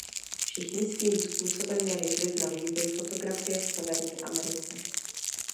Všichni svým způsobem měli vliv na vývoj fotografie v Severní Americe.